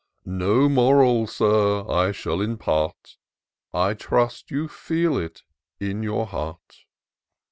No moral. Sir, I shall impart ; I trust you feel it in your heart.